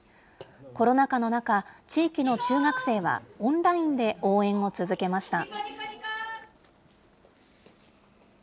コロナ禍の中、地域の中学生はオンラインで応援を続けました。